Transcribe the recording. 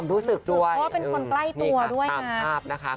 เพราะว่าเป็นคนใกล้ตัวด้วยนะ